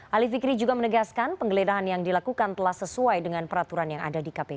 ali fikri juga menegaskan penggeledahan yang dilakukan telah sesuai dengan peraturan yang ada di kpk